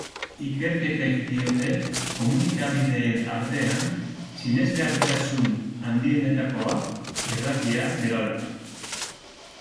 Ikerketek diote komunikabideen artean, sinesgarritasun handienetakoa irratia bera dela.